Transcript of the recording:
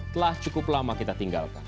telah cukup lama kita tinggalkan